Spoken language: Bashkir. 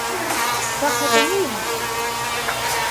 Шахмат уйнайһыңмы?